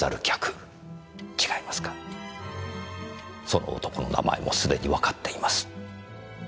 その男の名前もすでにわかっています。